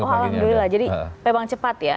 oh alhamdulillah jadi memang cepat ya